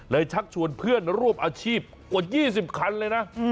ชักชวนเพื่อนร่วมอาชีพกว่า๒๐คันเลยนะ